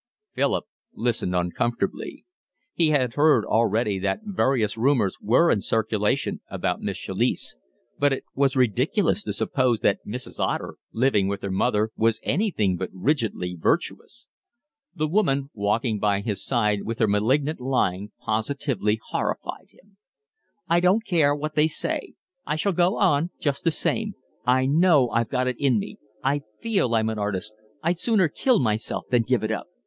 Philip listened uncomfortably. He had heard already that various rumours were in circulation about Miss Chalice; but it was ridiculous to suppose that Mrs. Otter, living with her mother, was anything but rigidly virtuous. The woman walking by his side with her malignant lying positively horrified him. "I don't care what they say. I shall go on just the same. I know I've got it in me. I feel I'm an artist. I'd sooner kill myself than give it up.